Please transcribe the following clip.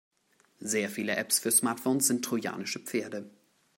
Sehr viele Apps für Smartphones sind trojanische Pferde.